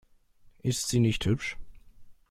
Ist sie nicht hübsch?